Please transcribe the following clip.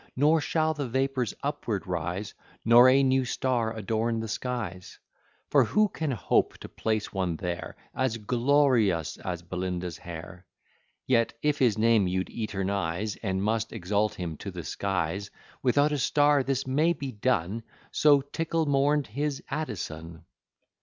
Nor shall the vapours upwards rise, Nor a new star adorn the skies: For who can hope to place one there, As glorious as Belinda's hair? Yet, if his name you'd eternize, And must exalt him to the skies; Without a star this may be done: So Tickell mourn'd his Addison.